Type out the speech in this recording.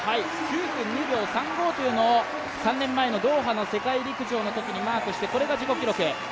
９分２秒３５というのを３年前のドーハ大会でマークしてこれが自己記録。